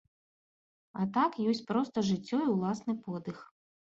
А так ёсць проста жыццё і ўласны подых.